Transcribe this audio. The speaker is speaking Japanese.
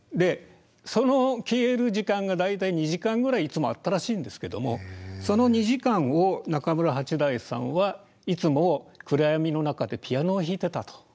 その消える時間が大体２時間ぐらいいつもあったらしいんですけどもその２時間を中村八大さんはいつも暗闇の中でピアノを弾いてたと。